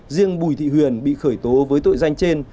riêng bùi thị huyền bị khởi tố với tội danh trên